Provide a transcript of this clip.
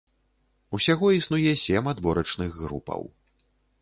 Усяго існуе сем адборачных групаў.